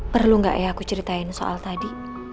perlu nggak ya aku ceritain soal tadi